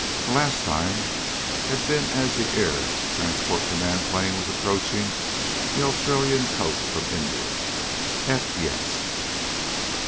The last time had been as that Air Transport Command plane was approaching the Australian coast from India. Heck, yes!